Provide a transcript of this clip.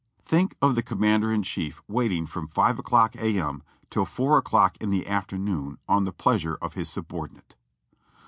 Think of the Commander in Chief waiting from 5 o'clock A. M. till 4 o'clock in the afternoon on the pleasure of his subordinate.